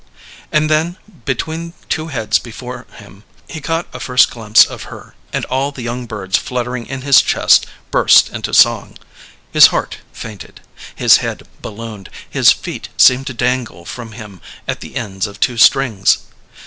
And then, between two heads before him, he caught a first glimpse of her; and all the young birds fluttering in his chest burst into song; his heart fainted, his head ballooned, his feet seemed to dangle from him at the ends of two strings.